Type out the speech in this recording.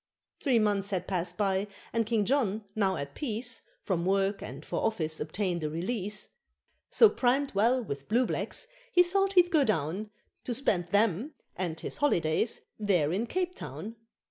Three months had passed by, and King John, now at peace, From work and for office obtained a re lease; So primed well with blue blacks he thought he'd go down To spend them and his holidays there in Cape Town.